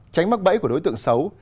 tránh mắc bẫy của đối tượng xấu